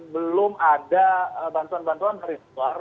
belum ada bantuan bantuan dari luar